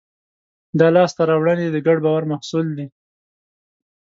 دا لاستهراوړنې د ګډ باور محصول دي.